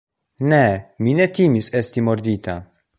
Ne, mi ne timis esti mordita.